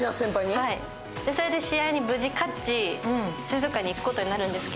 それで試合に無事勝ち、水族館に行くことになるんですよ。